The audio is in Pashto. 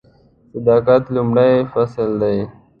صداقت لومړی فصل دی .